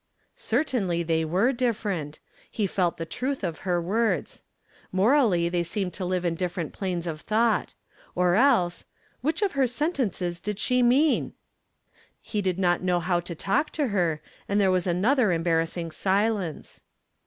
Certainly they were different ! He felt the truth of her words. lAlorally they seemed to live in dif ferent planes of thought. Or else — Which of her sentences did she mean ? He did not know liow to talk to her, and there was another embar rassing silence.